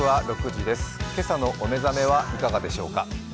今朝のおめざめはいかがでしょうか？